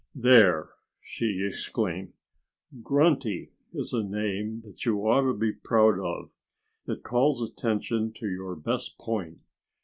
"There!" she exclaimed. "'Grunty' is a name that you ought to be proud of. It calls attention to your best point.